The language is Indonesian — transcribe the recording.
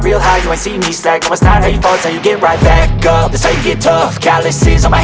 eh eh eh mersi kok ninggalin sih